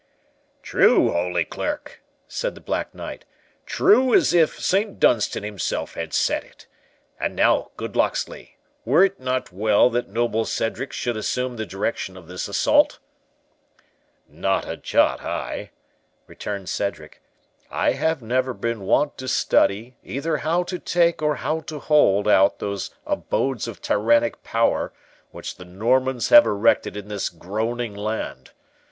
"True, Holy Clerk," said the Black Knight, "true as if Saint Dunstan himself had said it.—And now, good Locksley, were it not well that noble Cedric should assume the direction of this assault?" "Not a jot I," returned Cedric; "I have never been wont to study either how to take or how to hold out those abodes of tyrannic power, which the Normans have erected in this groaning land.